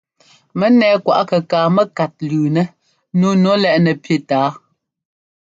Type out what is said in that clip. Mɔ nɛ́ɛ kwaꞌ kɛkaa mɛ́kát lʉʉnɛ́ nǔu nu lɛ́ꞌ nɛpí tǎa.